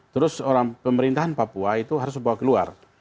terus orang pemerintahan papua itu harus dibawa keluar